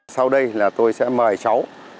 sau đây là tôi sẽ mời cháu